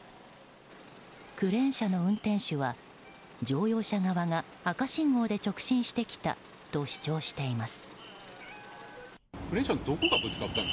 クレーン車の運転手は乗用車側が赤信号で直進してきたと主張しています。